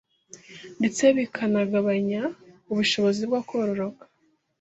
ndetse zikanagabanya ubushobozi bwo kororoka